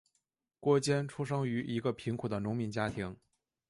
郭坚出生于一个贫苦的农民家庭。